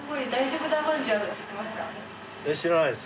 えっ知らないです。